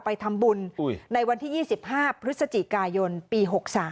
ไปทำบุญในวันที่๒๕พฤศจิกายนปี๖๓